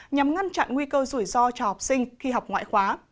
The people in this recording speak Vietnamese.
nhằm ngăn chặn nguy cơ rủi ro cho học sinh khi học ngoại khóa